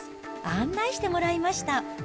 案内してもらいました。